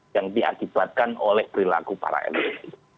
yang diakibatkan oleh perilaku para elit